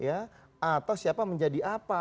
atau siapa menjadi apa